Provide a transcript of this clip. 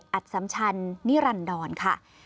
ใจอัดสำชันนิรันดรค่ะ